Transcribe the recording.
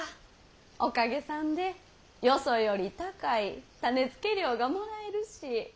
おかげさんでよそより高い種付け料がもらえるし。